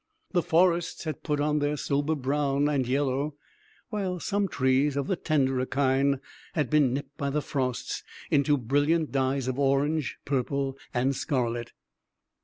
The forests had put on their sober brown and yellow, while some trees of the tenderer kind had been nipped by the frosts into brilliant dyes of orange, purple, and scarlet.